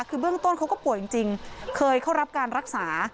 คือเบื้องต้นเขาก็ป่วยจริงเคยเข้ารับการรักษา